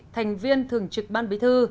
thành viên thường trực ban bí thư